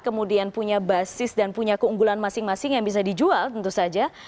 kemudian punya basis dan punya keunggulan masing masing yang bisa dijual tentu saja